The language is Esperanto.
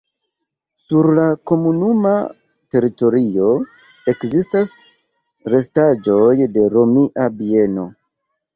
Sur la komunuma teritorio ekzistas restaĵoj de romia bieno.